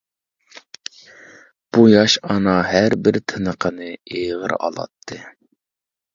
بۇ ياش ئانا ھەر بىر تىنىقىنى ئېغىر ئالاتتى.